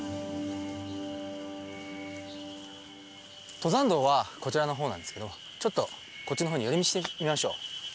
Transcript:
登山道はこちらの方なんですけどちょっとこっちの方に寄り道してみましょう。